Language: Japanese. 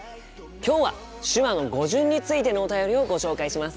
今日は手話の語順についてのお便りをご紹介します。